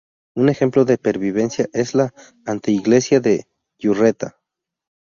Un ejemplo de pervivencia es la anteiglesia de Yurreta.